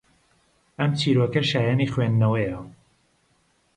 ئەم چیرۆکە شایەنی خوێندنەوەیە